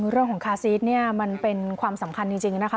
เรื่องของคาซีสเนี่ยมันเป็นความสำคัญจริงนะคะ